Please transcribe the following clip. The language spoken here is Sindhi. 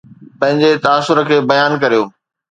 پنهنجي تاثر کي بيان ڪريو